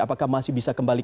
apakah masih bisa kembali